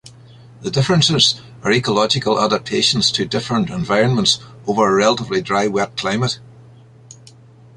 The differences are ecological adaptations to different environments over a relatively dry-wet climate.